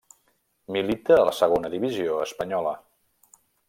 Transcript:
Milita a la Segona Divisió espanyola.